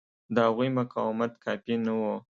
د هغوی مقاومت کافي نه و.